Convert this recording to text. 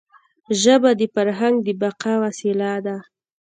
ژبه د فرهنګ د بقا وسیله ده.